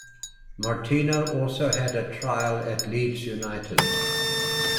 Martino also had a trial at Leeds United.